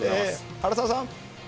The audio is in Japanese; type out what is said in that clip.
原沢さん？